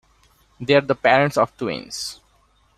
They are the parents of twins.